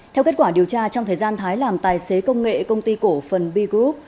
theo kết quả điều tra trong thời gian thái làm tài xế công nghệ công ty cổ phần b group